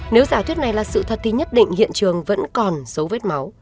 nếu giả thuyết này là sự thật thì nhất định hiện trường vẫn còn dấu vết máu